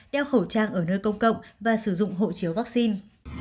đeo khẩu trang ở nơi công cộng và sử dụng hộ chiếu vaccine